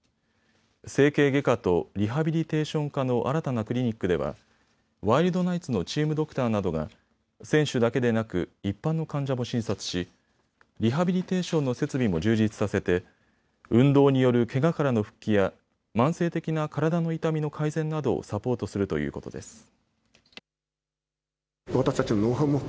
整形外科とリハビリテーション科の新たなクリニックではワイルドナイツのチームドクターなどが選手だけでなく一般の患者も診察しリハビリテーションの設備も充実させて運動によるけがからの復帰や慢性的な体の痛みの改善などをサポートするということです。